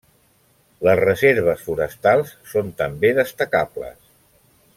Les reserves forestals són també destacables.